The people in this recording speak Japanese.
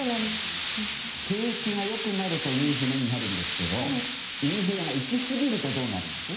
景気が良くなるとインフレになるんですけどインフレが行き過ぎるとどうなります？